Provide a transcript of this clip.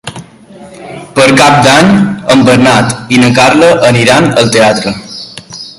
Per Cap d'Any en Bernat i na Carla aniran al teatre.